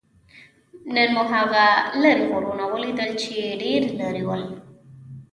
نن مو هغه لرې غرونه ولیدل؟ چې ډېر لرې ول.